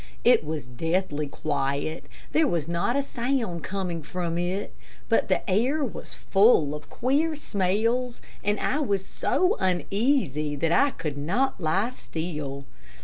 It was deathly quiet, there was not a sound coming from it, but the air was full of queer smells, and I was so uneasy that I could not lie still.